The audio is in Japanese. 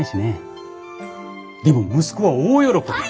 でも息子は大喜び。